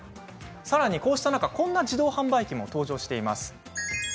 さらにこんな自動販売機も登場しています。